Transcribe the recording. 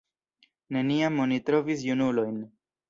Neniam oni trovis junulojn.